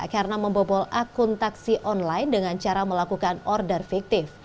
karena membobol akun taksi online dengan cara melakukan order fiktif